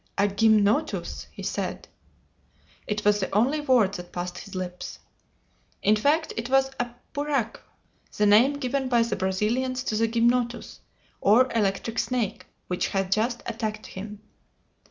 "A gymnotus!" he said. It was the only word that passed his lips. In fact, it was a "puraque," the name given by the Brazilians to the gymnotus, or electric snake, which had just attacked him.